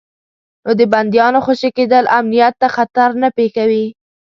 نو د بندیانو خوشي کېدل امنیت ته خطر نه پېښوي.